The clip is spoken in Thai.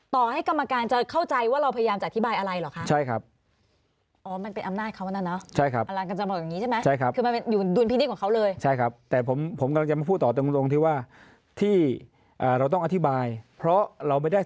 ต่อให้กรรมการจะเข้าใจว่าเราพยายามจะอธิบายอะไรเหรอคะ